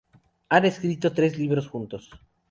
Han escrito tres libros juntos.